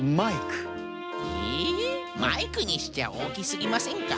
マイクにしちゃおおきすぎませんか？